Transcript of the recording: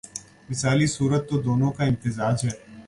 مثالی صورت تو دونوں کا امتزاج ہے۔